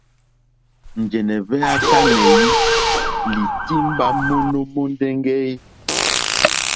Njɛ̀nɛ̀ hvɛ a tanɛ̀i lì timba mono mondeŋge e.